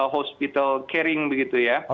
hospital caring begitu ya